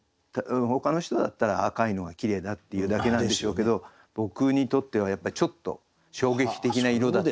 ほかの人だったら赤いのはきれいだっていうだけなんでしょうけど僕にとってはやっぱりちょっと衝撃的な色だった。